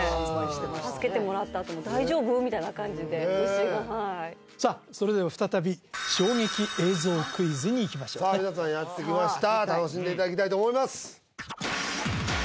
助けてもらったあとも「大丈夫？」みたいな感じで牛がはいさあそれでは再び衝撃映像クイズにいきましょうさあ皆さんやってきました楽しんでいただきたいと思います